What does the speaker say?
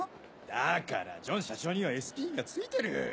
だからジョン社長にはＳＰがついてる。